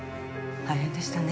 大変でしたね。